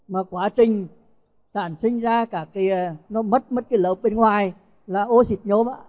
mà quá trình sản sinh ra các cái nó mất mất cái lớp bên ngoài là ô xịt nhôm á